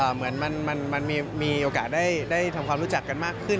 เหมือนมันมีโอกาสได้ทำความรู้จักกันมากขึ้น